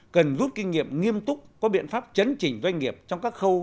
cần rút kinh nghiệm nghiêm túc có biện pháp chấn chỉnh doanh nghiệp trong các khâu